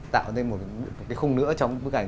tạo nên một cái khung nữa trong bức ảnh